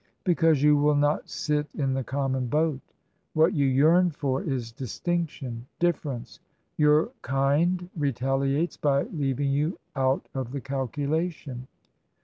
" Because you will not sit in the common boat What you yearn for is distinction — difference. Your kind re taliates by leaving you out of the calculation."